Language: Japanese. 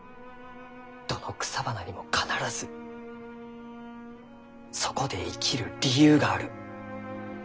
どの草花にも必ずそこで生きる理由がある。